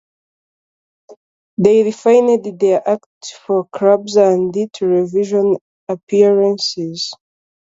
They refined their act for clubs and television appearances.